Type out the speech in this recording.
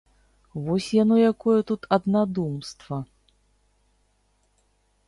Вось яно якое тут аднадумства!